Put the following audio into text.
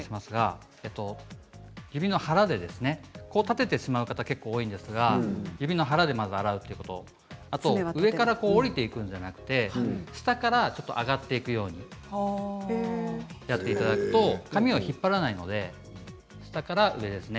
立ててしまう方が多いんですが指の腹で押さえるようにそれから下りてくるんじゃなくて下から上がっていくようにやっていただくと髪を引っ張らないので下から上ですね。